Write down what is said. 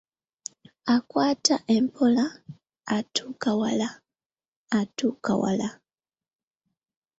Akwata empola, atuuka wala atuuka wala.